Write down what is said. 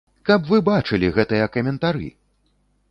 Каб вы бачылі гэтыя каментары!